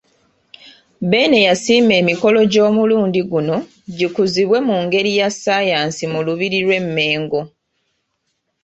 Beene yasiima emikolo gy'omulundi guno gikuzibwe mu ngeri ya Ssaayansi mu Lubiri lw' eMmengo.